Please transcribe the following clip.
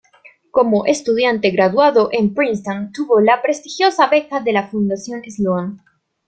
Como estudiante graduado en Princeton, tuvo la prestigiosa beca de la fundación Sloan.